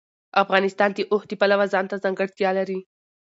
افغانستان د اوښ د پلوه ځانته ځانګړتیا لري.